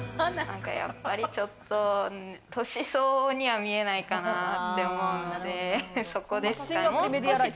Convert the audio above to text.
やっぱりちょっと、年相応には見えないかなって思うので、そこですかね。